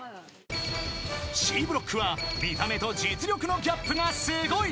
［Ｃブロックは見た目と実力のギャップがすごい］